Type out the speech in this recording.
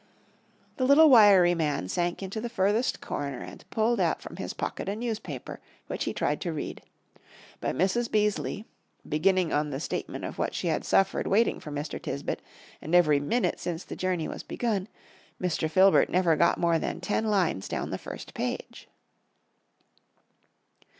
The little wiry man sank into the furthest corner and pulled out from his pocket a newspaper, which he tried to read. But Mrs. Beaseley, beginning on the statement of what she had suffered waiting for Mr. Tisbett, and every minute since the journey was begun, Mr. Filbert never got more than ten lines down the first page.